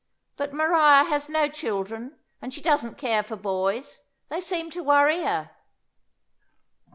But Maria has no children, and she doesn't care for boys; they seem to worry her."